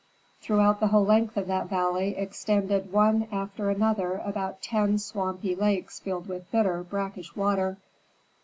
Throughout the whole length of that valley extended one after another about ten swampy lakes filled with bitter, brackish water.